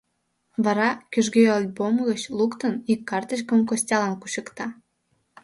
Вара, кӱжгӧ альбом гыч луктын, ик карточкым Костялан кучыкта.